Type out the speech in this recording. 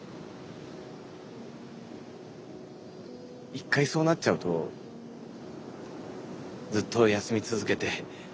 一回そうなっちゃうとずっと休み続けて。